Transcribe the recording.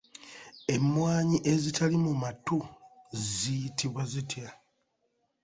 Emmwanyi ezitali mu matu zi yitibwa zitya?